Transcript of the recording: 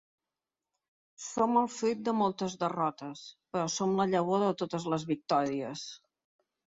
Som el fruit de moltes derrotes, però som la llavor de totes les victòries.